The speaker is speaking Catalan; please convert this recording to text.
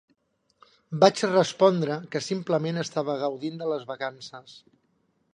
Vaig respondre que simplement estava gaudint de les vacances.